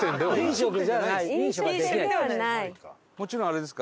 もちろんあれですか？